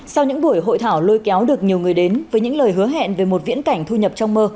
sau những buổi hội thảo lôi kéo được nhiều người đến với những lời hứa hẹn về một viễn cảnh thu nhập trong mơ